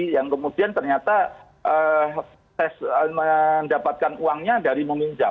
yang kemudian ternyata mendapatkan uangnya dari meminjam